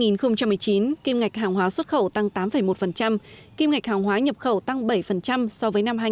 năm hai nghìn một mươi chín kim ngạch hàng hóa xuất khẩu tăng tám một kim ngạch hàng hóa nhập khẩu tăng bảy so với năm hai nghìn một mươi tám